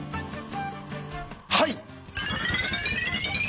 はい！